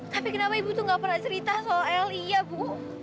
tapi kenapa ibu tuh gak pernah cerita soal iya bu